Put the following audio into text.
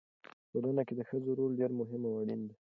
په ټولنه کې د ښځو رول ډېر مهم او اړین دی.